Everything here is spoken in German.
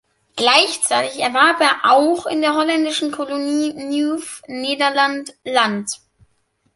Gleichzeitig erwarb er auch in der holländischen Kolonie Nieuw Nederland Land.